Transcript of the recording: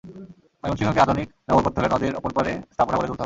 ময়মনসিংহকে আধুনিক নগর করতে হলে নদের অপর পাড়ে স্থাপনা গড়ে তুলতে হবে।